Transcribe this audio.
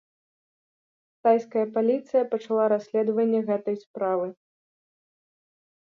Тайская паліцыя пачала расследаванне гэтай справы.